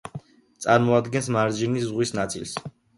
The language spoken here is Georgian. წარმოადგენს მარჯნის ზღვის ნაწილს.